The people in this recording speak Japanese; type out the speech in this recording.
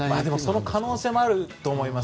その可能性もあると思います。